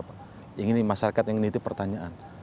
yang ini masyarakat yang menitip pertanyaan